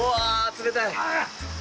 冷たい！